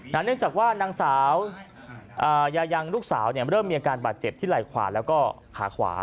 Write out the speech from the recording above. เนื่องจากว่านางสาวยายังลูกสาวเริ่มมีอาการบาดเจ็บที่ไหล่ขวาแล้วก็ขาขวา